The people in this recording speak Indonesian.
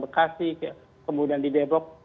bekasi kemudian di depok